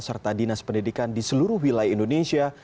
serta dinas pendidikan di seluruh wilayah indonesia